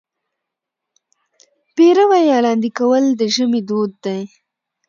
پېروی یا لاندی کول د ژمي دود دی.